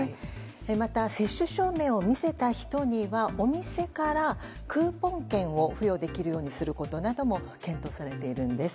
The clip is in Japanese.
また接種証明を見せた人にはお店からクーポン券を付与できるようにすることなども検討されているんです。